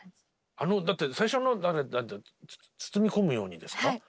あのだって最初の「つつみ込むように」ですか？